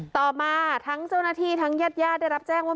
ต่อมาทั้งเจ้าหน้าที่ทั้งญาติญาติได้รับแจ้งว่า